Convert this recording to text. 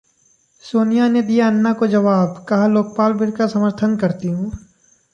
सोनिया ने दिया अन्ना को जवाब, कहा लोकपाल बिल का समर्थन करती हूं